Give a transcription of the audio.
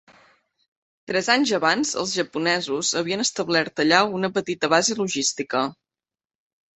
Tres anys abans, els japonesos havien establert allà una petita base logística.